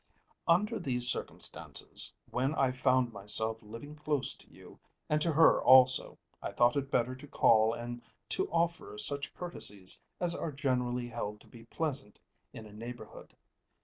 Under these circumstances, when I found myself living close to you, and to her also, I thought it better to call and to offer such courtesies as are generally held to be pleasant in a neighbourhood.